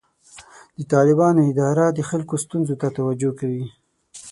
د طالبانو اداره د خلکو ستونزو ته توجه کوي.